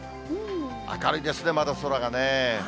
明るいですね、まだ空がね。